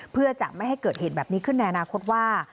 เพื่อจะไม่ให้เกิดเหตุแบบนี้ขึ้นในอนาคตว่า